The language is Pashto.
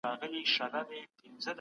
خداى دي كړي خير ګراني!